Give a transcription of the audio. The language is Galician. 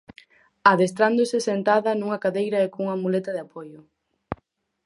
Adestrándose sentada nunha cadeira e cunha muleta de apoio.